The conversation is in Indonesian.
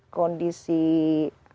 kondisi alam yang tidak bisa kena